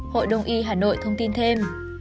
hội đồng y hà nội thông tin thêm